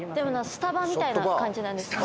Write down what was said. スタバみたいな感じなんですかね